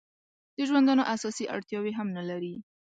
د ژوندانه اساسي اړتیاوې هم نه لري.